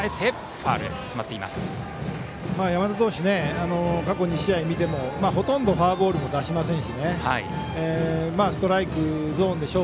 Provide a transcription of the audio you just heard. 山田投手過去２試合見てもほとんどフォアボールを出しませんしストライクゾーンですね。